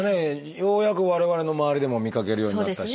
ようやく我々の周りでも見かけるようになったし。